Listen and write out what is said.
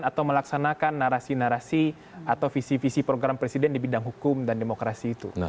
atau melaksanakan narasi narasi atau visi visi program presiden di bidang hukum dan demokrasi itu